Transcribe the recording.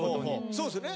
そうですね。